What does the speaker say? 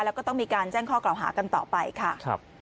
แล้วก็ต้องมีการแจ้งข้อกล่าวหากันต่อไปค่ะ